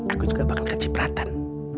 aku juga bakal kecipratan